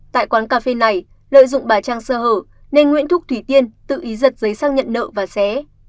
tại quán cà phê này lợi dụng bà trang sơ hở nên nguyễn thúc thủy tiên tự ý giật giấy sang nhận nợ và xé